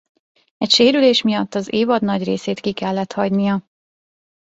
Egy sérülés miatt az évad nagy részét ki kellett hagynia.